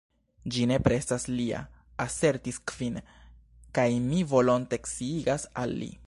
"Ĝi nepre estas lia," asertis Kvin, "kaj mi volonte sciigas al li.